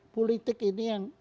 politik ini yang